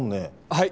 はい！